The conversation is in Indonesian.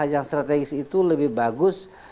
yang strategis itu lebih bagus